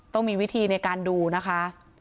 ต้องมีวิธีในการดูนะคะ